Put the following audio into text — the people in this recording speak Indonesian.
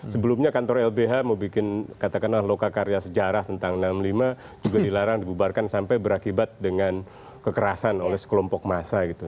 sebelumnya kantor lbh mau bikin katakanlah loka karya sejarah tentang enam puluh lima juga dilarang dibubarkan sampai berakibat dengan kekerasan oleh sekelompok massa gitu